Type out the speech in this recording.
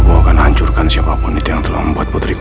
bahwa akan hancurkan siapapun itu yang telah membuat putriku